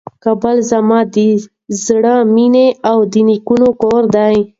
کابل زما د زړه مېنه او د نیکونو کور دی.